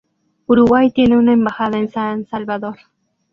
Uruguay tiene una embajada en San Salvador.